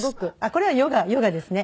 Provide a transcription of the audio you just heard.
これはヨガヨガですね。